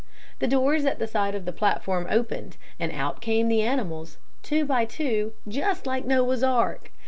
The doors at the side of the platform opened, and out came the animals, two by two, just like Noah's ark.